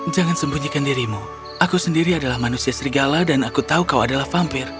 jangan sembunyikan dirimu aku sendiri adalah manusia serigala dan aku tahu kau adalah vampir